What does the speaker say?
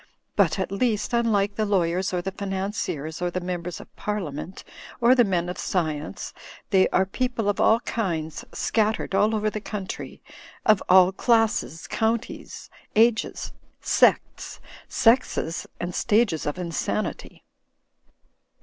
But at least, unlike the lawyers, or the financiers, or the members of Parliament, or the men of science, they are people of all kinds scattered all over the coimtry, of all classes, counties, ages, sects, sexes, and stages of insanity.